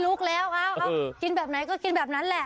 ลุกแล้วกินแบบไหนก็กินแบบนั้นแหละ